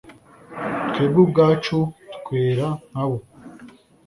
twebwe ubwacu twera nkabo